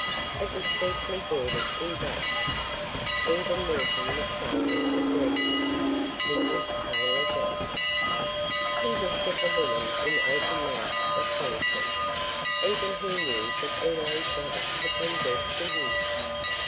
It was deeply bordered in black. Even Milton was startled at reading it: "Mrs. Taylor Dodge." He looked at the woman in open mouthed astonishment. Even he knew that Elaine's mother had been dead for years.